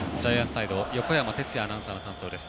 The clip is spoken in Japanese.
サイド横山哲也アナウンサーの担当です。